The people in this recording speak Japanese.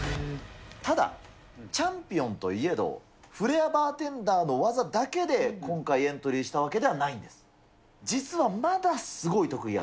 ただ、チャンピオンといえど、フレアバーテンダーの技だけで今回エントリーしたわけではないんです。えっ？